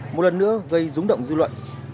một lần nữa gây rúng động dư luận